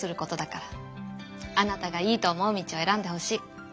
あなたがいいと思う道を選んでほしい。